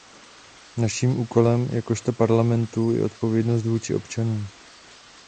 Naším úkolem jakožto Parlamentu je odpovědnost vůči občanů.